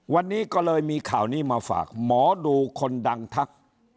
วันนี้ก็เลยมีข่าวนี้มาฝากหมอดูคนดังทัก